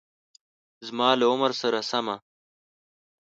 زما له عمر سره سمه